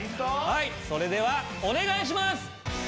はいそれではお願いします！